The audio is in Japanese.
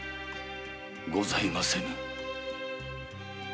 ございません。